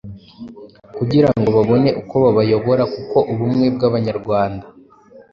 kugira ngo babone uko babayobora kuko ubumwe bw’Abanyarwanda